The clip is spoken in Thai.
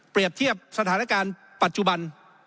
เปรียบเทียบสถานการณ์ปัจจุบัน